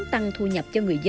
tăng thu nhập